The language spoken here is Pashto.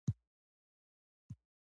• واوره د ځمکې د تودوخې تعادل ساتي.